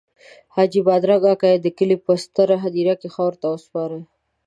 حاجي بادرنګ اکا یې د کلي په ستره هدیره کې خاورو ته وسپاره.